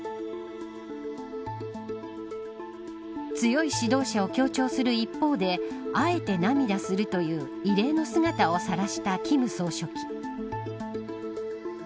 強い指導者を強調する一方であえて涙するという異例な姿をさらした金総書記。